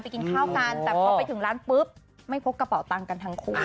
กินข้าวกันแต่พอไปถึงร้านปุ๊บไม่พบกระเป๋าตังค์กันทั้งคู่